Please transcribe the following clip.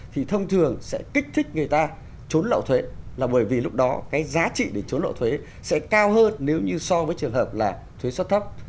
thì thông thường sẽ kích thích người ta trốn lậu thuế là bởi vì lúc đó cái giá trị để trốn lộ thuế sẽ cao hơn nếu như so với trường hợp là thuế xuất thấp